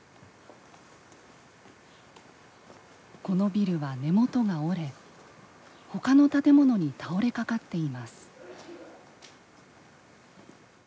このビルは根元が折れほかの建物に倒れかかっています。